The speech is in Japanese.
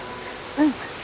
うん。